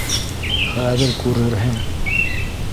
Хәҙер, күрерһең...